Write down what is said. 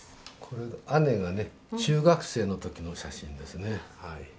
これ姉がね中学生の時の写真ですね。